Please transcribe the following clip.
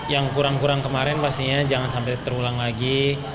yang kurang kurang kemarin pastinya jangan sampai terulang lagi